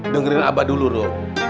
dengerin abah dulu rom